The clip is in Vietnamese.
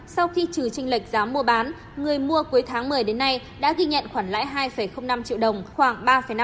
sau khi trừ trinh lệch giá mua bán người mua cuối tháng một mươi đến nay đã ghi nhận khoản lãi hai năm triệu đồng khoảng ba năm